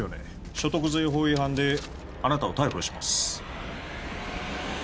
所得税法違反であなたを逮捕します